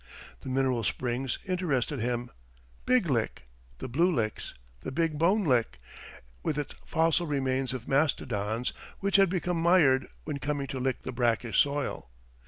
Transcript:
The mineral springs interested him Big Lick, the Blue Licks, and Big Bone Lick, with its fossil remains of mastodons which had become mired when coming to lick the brackish soil.